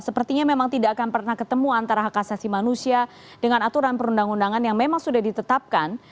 sepertinya memang tidak akan pernah ketemu antara hak asasi manusia dengan aturan perundang undangan yang memang sudah ditetapkan